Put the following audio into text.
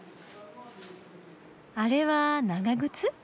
あれは長靴？